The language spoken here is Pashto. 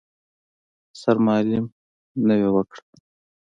سرمالم نوې وکړه.